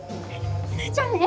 じゃあね！